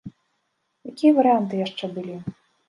Якія варыянты яшчэ былі?